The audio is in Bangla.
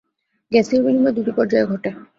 গ্যাসীয় বিনিময় দুটি পর্যায়ে ঘটে।